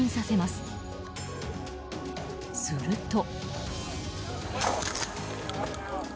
すると。